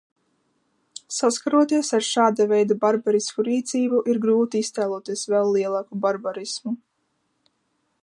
Saskaroties ar šāda veida barbarisku rīcību, ir grūti iztēloties vēl lielāku barbarismu.